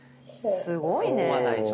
すごいね。